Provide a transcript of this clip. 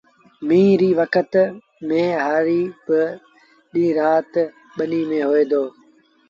ميݩهن ري وکت ميݩ با هآريٚ رآت ڏيݩهݩ ٻنيٚ ميݩ هوئي دو